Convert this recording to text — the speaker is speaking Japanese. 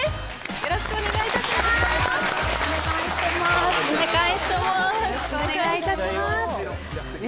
よろしくお願いします。